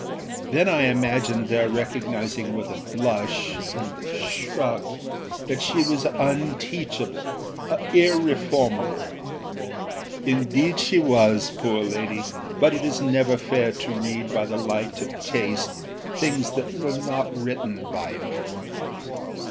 â Then I imagined their recognising with a blush and a shrug that she was unteachable, irreformable. Indeed she was, poor lady; but it is never fair to read by the light of taste things that were not written by it.